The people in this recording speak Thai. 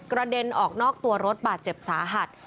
เด็นออกนอกตัวรถบาดเจ็บสาหัส